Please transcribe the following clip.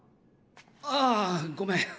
あごめん。